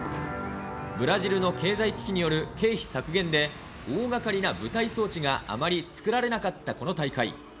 ブラジルの経済危機による経費削減で、大がかりな舞台装置があまり作られなかったこの大会。